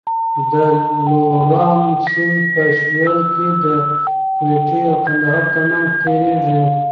د لورا سیند په سوېل کې د کویټې او کندهار ترمنځ تېرېږي.